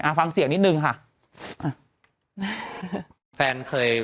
นางหนุ่มมองข้างหลังอีกแล้วเนี่ย